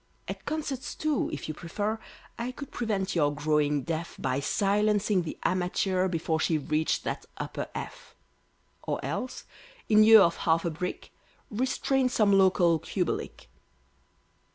At concerts, too, if you prefer, I could prevent your growing deaf, By silencing the amateur Before she reached that upper F.; Or else, in lieu of half a brick, Restrain some local Kubelik.